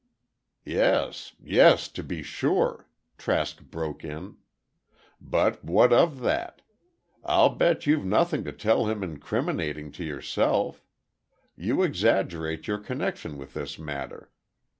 "Yes, yes—to be sure," Trask broke in. "But what of that? I'll bet you've nothing to tell him incriminating to yourself. You exaggerate your connection with this matter.